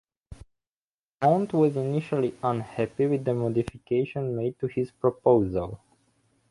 Dumont was initially unhappy with the modifications made to his proposal.